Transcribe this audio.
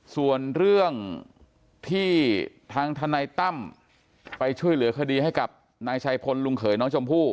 ส่วนเรื่องที่ทางทนายตั้มไปช่วยเหลือคดีให้กับนายชัยพลลุงเขยน้องชมพู่